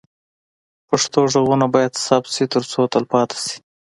پښتو غږونه باید ثبت شي ترڅو تل پاتې شي.